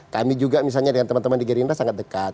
kami juga misalnya dengan teman teman di gerindra sangat dekat